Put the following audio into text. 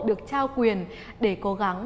được trao quyền để cố gắng